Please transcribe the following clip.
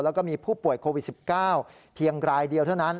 แล้วก็มีผู้ป่วยโควิด๑๙เพียงรายเดียวเท่านั้น